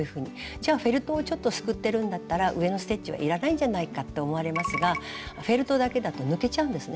じゃあフェルトをちょっとすくってるんだったら上のステッチはいらないんじゃないかって思われますがフェルトだけだと抜けちゃうんですね